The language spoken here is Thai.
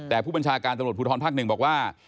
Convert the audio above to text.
แต่ผู้บัญชาการตำรวจภูทรภาค๑บอกว่า